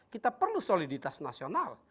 kita perlu soliditas nasional